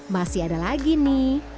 masih ada lagi nih